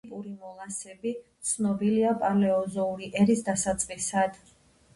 ტიპური მოლასები ცნობილია პალეოზოური ერის დასაწყისიდან.